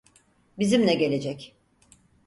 Bizimle gelecek.